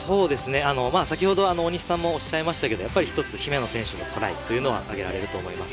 先ほど大西さんもおっしゃいましたが一つ、姫野選手のトライというのは上げられると思います。